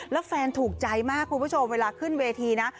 แล้วแฟนถูกใจมากคุณผู้ชมเวลาขึ้นเวทีนะ